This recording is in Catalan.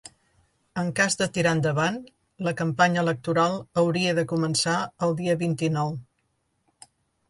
En cas de tirar endavant, la campanya electoral hauria de començar el dia vint-i-nou.